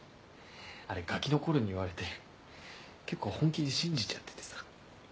あれガキの頃に言われて結構本気で信じちゃっててさ。